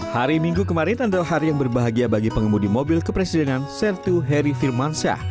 hari minggu kemarin adalah hari yang berbahagia bagi pengemudi mobil kepresidenan sertu heri firmansyah